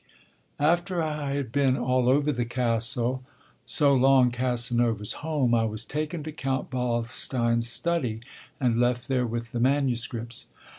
After I had been all over the castle, so long Casanova's home, I was taken to Count Waldstein's study, and left there with the manuscripts.